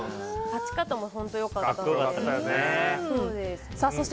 勝ち方も本当に良かったですし。